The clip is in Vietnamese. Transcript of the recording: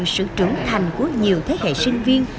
sự trưởng thành của nhiều thế hệ sinh viên